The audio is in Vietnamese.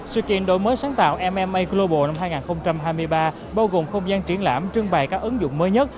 sự kiện đổi mới sáng tạo mma global năm hai nghìn hai mươi ba bao gồm không gian triển lãm trưng bày các ứng dụng mới nhất